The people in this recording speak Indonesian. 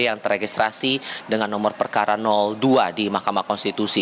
yang teregistrasi dengan nomor perkara dua di mahkamah konstitusi